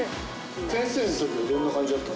先生のときってどんな感じだ